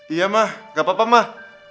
iya mah gak apa apa mah